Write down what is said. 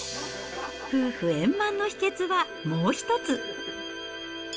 夫婦円満の秘けつはもう一つ。